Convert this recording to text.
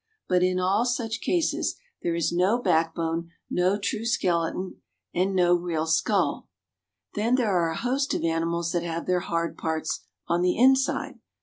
But in all such cases there is no backbone, no true skeleton and no real skull. Then there are a host of animals that have their hard parts on the inside.